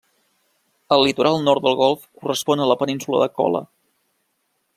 El litoral nord del golf correspon a la península de Kola.